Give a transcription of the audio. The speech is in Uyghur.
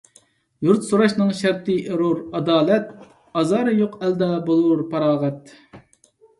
يۇرت سوراشنىڭ شەرتى ئېرۇر ئادالەت، ئازارى يوق ئەلدە بولۇر پاراغەت.